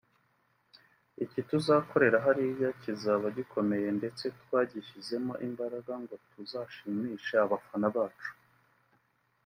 Iki tuzakorera hariya kizaba gikomeye ndetse twagishyizemo imbaraga ngo tuzashimishe abafana bacu